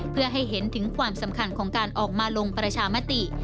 เพื่อให้เห็นถึงความสำคัญของการออกมาลงประชามติ